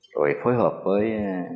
rồi phối hợp với